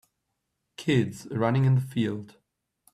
Kids running in the field.